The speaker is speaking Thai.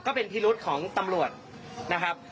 พิรุษของตำรวจนะครับ